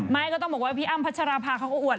ก็ต้องบอกว่าพี่อ้ำพัชราภาเขาก็อวด